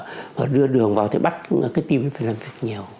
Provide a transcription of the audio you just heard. làm việc người ta sợ đưa đường vào thì bắt cái tim nó phải làm việc nhiều